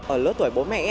ở lớp tuổi bố mẹ